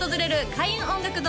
開運音楽堂